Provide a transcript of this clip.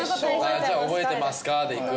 じゃあ「覚えてますか？」でいく？